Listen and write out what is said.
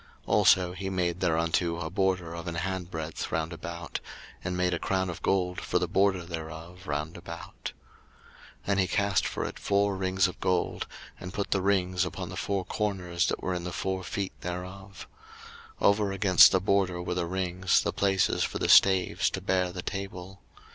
02:037:012 Also he made thereunto a border of an handbreadth round about; and made a crown of gold for the border thereof round about. 02:037:013 And he cast for it four rings of gold, and put the rings upon the four corners that were in the four feet thereof. 02:037:014 Over against the border were the rings, the places for the staves to bear the table.